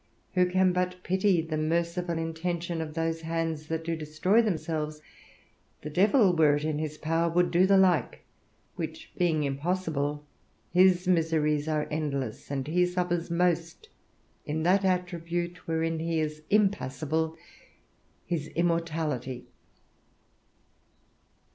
Who can but pity the merciful intention of those hands that do destroy themselves? the Devil, were it in his power, would do the like; which being impossible, his miseries are endless, and he suffers most in that attribute wherein he is impassible, his immortality.